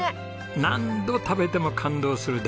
何度食べても感動する大地の味。